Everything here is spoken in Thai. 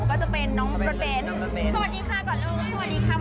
อ๋อเป็นตัวของน้ำเบ้งเกินเตรียมใช่ไหม